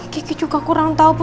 kiki juga kurang tahu bu